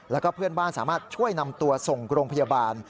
แล้วก็เพื่อนบ้านสามารถช่วยนำตัวส่งโรงพยาบาล